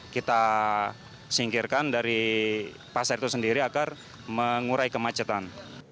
kita singkirkan dari pasar itu sendiri agar mengurai kemacetan